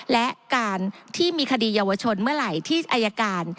และการที่มีคดีเยาวชนเมื่อไหร่ที่อายการ